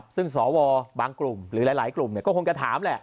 ซึ่งบางกลุ่มก็คงจะถามแหละ